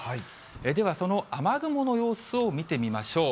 ではその雨雲の様子を見てみましょう。